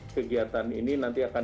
kegiatan ini nanti akan